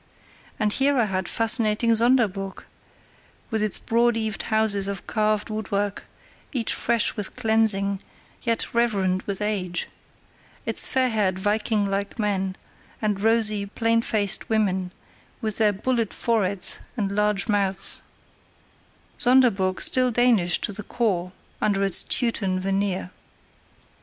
And here I had fascinating Sonderburg, with its broad eaved houses of carved woodwork, each fresh with cleansing, yet reverend with age; its fair haired Viking like men, and rosy, plain faced women, with their bullet foreheads and large mouths; Sonderburg still Danish to the core under its Teuton veneer.